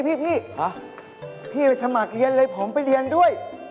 พี่พี่ไปสมัครเรียนเลยผมไปเรียนด้วย